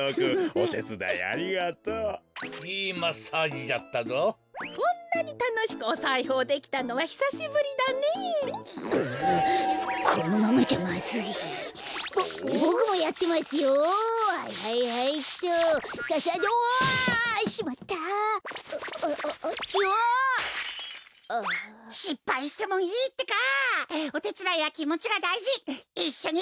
おてつだいはきもちがだいじいっしょにがんばるってか！